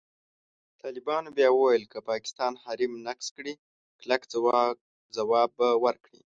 طالبان بیا وویل، که پاکستان حریم نقض کړي، کلک ځواب به ورکړي.